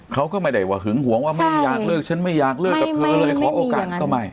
เขาก็ไม่ได้หว่าหึงหวงว่าไม่อยากเลิกใช่ฉันไม่อยากเลิกกับเค้าไม่ไม่ไม่มีอย่างนั้นก็ไม่